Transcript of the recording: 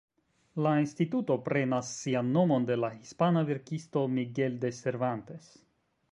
La instituto prenas sian nomon de la hispana verkisto Miguel de Cervantes.